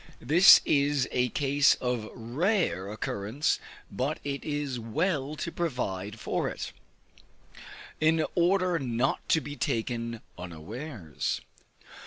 This is a case of rare occurrence; but it is well to provide for it, in order not to be taken unawares.